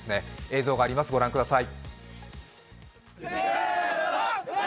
映像があります、ご覧ください。